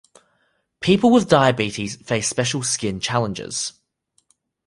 People with diabetes face special skin challenges.